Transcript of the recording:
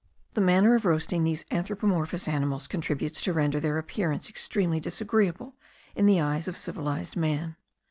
The manner of roasting these anthropomorphous animals contributes to render their appearance extremely disagreeable in the eyes of civilized man.